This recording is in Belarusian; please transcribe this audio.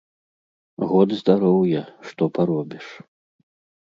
Год здароўя, што паробіш.